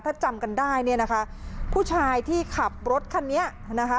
ถ้าจำกันได้เนี่ยนะคะผู้ชายที่ขับรถคันนี้นะคะ